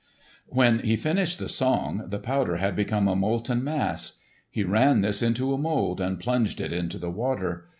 When he finished the song the powder had become a molten mass. He ran this into a mould and plunged it into the water.